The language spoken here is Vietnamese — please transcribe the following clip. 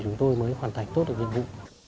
chúng tôi mới hoàn thành tốt được nhiệm vụ